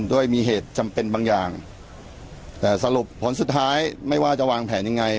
ด้วยมีเหตุจำเป็นบางอย่างแต่สรุปผลสุดท้ายไม่ว่าจะวางแผนยังไง